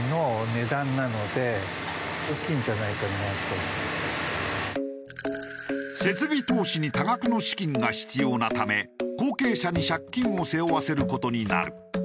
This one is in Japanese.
これも設備投資に多額の資金が必要なため後継者に借金を背負わせる事になる。